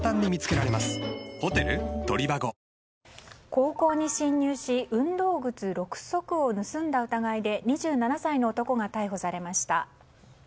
高校に侵入し運動靴６足を盗んだ疑いで２７歳の男が逮捕されました。